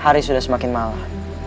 hari sudah semakin malam